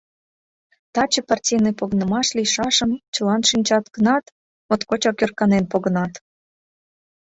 Таче партийный погынымаш лийшашым чылан шинчат гынат, моткочак ӧрканен погынат.